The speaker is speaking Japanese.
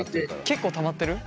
結構たまってる？